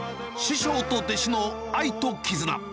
師匠と弟子の愛と絆。